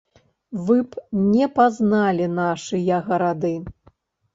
Вы б не пазналі нашыя гарады.